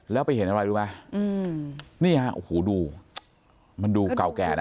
แล้วไปเห็นอะไรรู้ไหมนี่ฮะโอ้โหดูมันดูเก่าแก่นะ